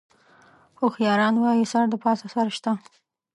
هوښیاران وایي: سر د پاسه سر شته.